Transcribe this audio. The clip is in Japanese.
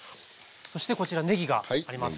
そしてこちらねぎがあります。